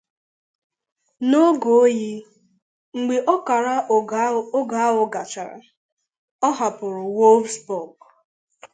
N'oge oyi, mgbe ọkara oge ahụ gachara, ọ hapụrụ Wolfsburg.